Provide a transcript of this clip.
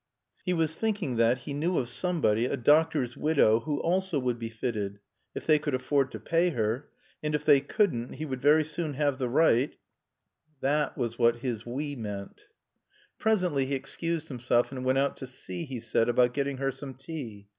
He was thinking that he knew of somebody a doctor's widow who also would be fitted. If they could afford to pay her. And if they couldn't, he would very soon have the right That was what his "we" meant. Presently he excused himself and went out to see, he said, about getting her some tea.